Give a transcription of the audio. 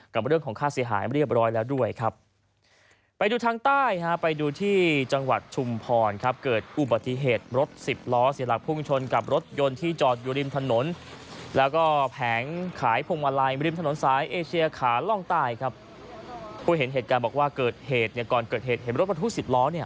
กับเรื่องของค่าเสียหายเรียบร้อยแล้วด้วยครับ